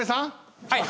はい！